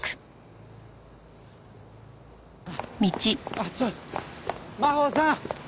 あっちょっマホさん！